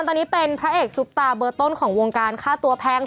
คิมเนี่ยเขาลืมล็อกคิวที่สิบสี่กุมภาพทั้งทั้งที่มีคนบอกเองว่าให้ล็อกไว้เอง